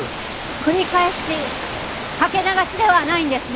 繰り返しかけ流しではないんですね？